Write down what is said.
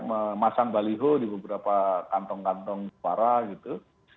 memasang baliho di beberapa kantong kantong suara gitu